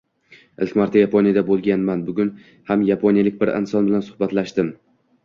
Ikki marta Yaponiyada boʻlganman. Bugun ham yaponiyalik bir inson bilan suhbatlashdim.